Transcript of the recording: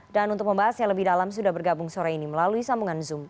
dan untuk membahas yang lebih dalam sudah bergabung sore ini melalui sambungan zoom